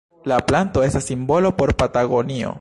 La planto estas simbolo por Patagonio.